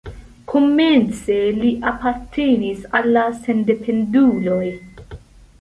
Komence li apartenis al la sendependuloj.